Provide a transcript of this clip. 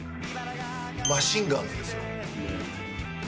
マシンガンズですよね。